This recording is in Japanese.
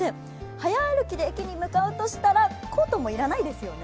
早歩きで駅に向かうとしたらコートも要らないですよね。